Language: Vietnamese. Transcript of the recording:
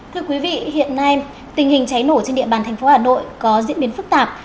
thưa quý vị hiện nay tình hình cháy nổ trên địa bàn thành phố hà nội có diễn biến phức tạp